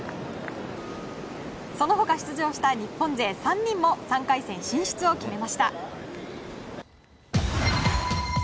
その他、出場した日本勢３人も３回戦進出を決めました。